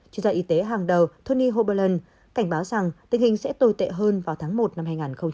chuyên gia y tế hàng đầu tony hoberland cảnh báo rằng tình hình sẽ tồi tệ hơn vào tháng một năm hai nghìn hai mươi hai